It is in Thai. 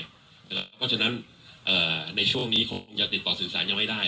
เพราะฉะนั้นในช่วงนี้คงจะติดต่อสื่อสารยังไม่ได้